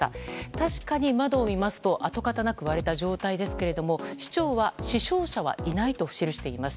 確かに窓を見ると跡かたもなく割れた状態ですけども市長は死傷者はいないと記しています。